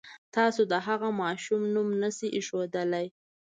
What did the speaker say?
تاسو د هغه ماشوم نوم نه شئ اېښودلی.